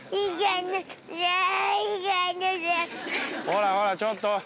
ほらほらちょっと！